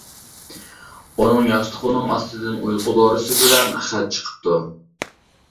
ئۇنىڭ ياستۇقىنىڭ ئاستىدىن ئۇيقۇ دورىسى بىلەن خەت چىقىپتۇ.